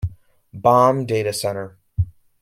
Bomb Data Center.